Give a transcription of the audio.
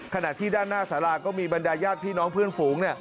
ขณะที่ด้านหน้าสาราก็มีบรรดาญาติพี่น้องเพื่อนฝูง